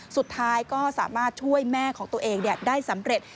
สุดท้ายก็สามารถช่วยแม่ของตัวเองได้สำเร็จ